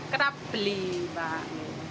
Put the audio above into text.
kerap beli pak